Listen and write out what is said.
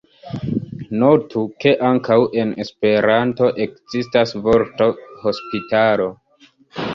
Notu, ke ankaŭ en Esperanto ekzistas vorto hospitalo.